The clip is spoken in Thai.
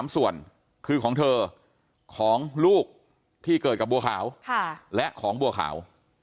๓ส่วนคือของเธอของลูกที่เกิดกับบัวขาวและของบัวขาว